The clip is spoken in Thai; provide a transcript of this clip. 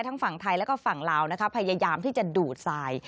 ทั้งฝั่งไทยและฝั่งลาวพยายามที่จะดูดทราย